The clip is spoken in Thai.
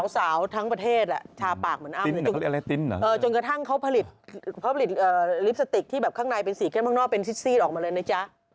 สาวทั้งประเทศชาปากเหมือนอ้ำจนกระทั่งเขาผลิตลิปสติกที่แบบข้างในเป็นสีเข้มข้างนอกเป็นซิซีดออกมาเลยนะจ๊ะ